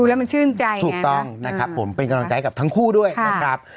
แล้วมันชื่นใจถูกต้องนะครับผมเป็นกำลังใจกับทั้งคู่ด้วยนะครับ